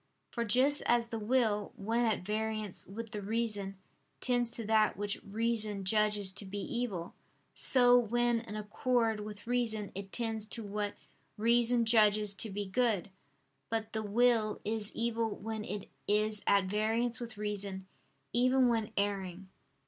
For just as the will, when at variance with the reason, tends to that which reason judges to be evil; so, when in accord with reason, it tends to what reason judges to be good. But the will is evil when it is at variance with reason, even when erring.